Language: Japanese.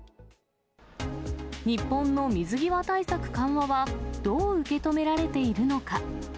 日本の水際対策緩和は、どう受け止められているのか。